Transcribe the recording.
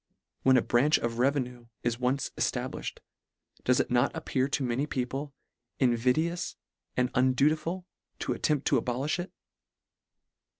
When a branch of revenue is once established, does it not appear to many people invidious and undutiful, to attempt to abolifh it